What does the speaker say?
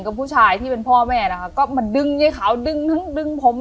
กับผู้ชายที่เป็นพ่อแม่นะคะก็มาดึงยายขาวดึงทั้งดึงผม